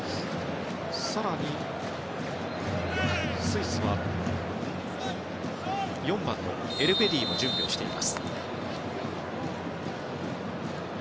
更に、スイスは４番のエルベディも準備をしています。